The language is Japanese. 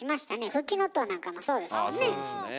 フキノトウなんかもそうですもんね。